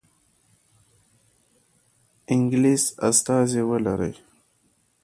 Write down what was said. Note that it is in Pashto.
انګلیس استازی ولري.